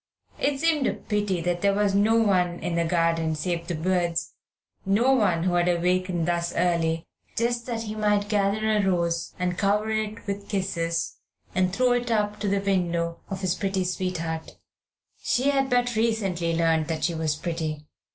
It seemed a pity that there should be no one in the garden save the birds, no one who had awakened thus early just that he might gather a rose and cover it with kisses and throw it up to the window of his pretty sweetheart. She had but recently learned that she was pretty.